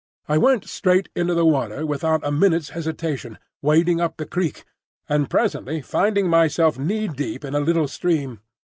I went straight into the water without a minute's hesitation, wading up the creek, and presently finding myself kneedeep in a little stream.